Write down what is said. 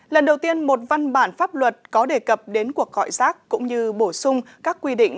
lần đầu tiên một văn bản pháp luật có đề cập đến cuộc gọi rác cũng như bổ sung các quy định